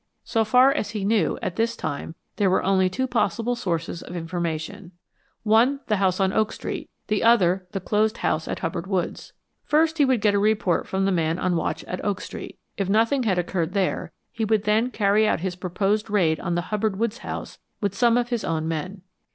So far as he knew, at this time, there were only two possible sources of information one, the house on Oak Street; the other, the closed house at Hubbard Woods. First he would get a report from the man on watch at Oak Street. If nothing had occurred there, he would then carry out his proposed raid on the Hubbard Woods house with some of his own men.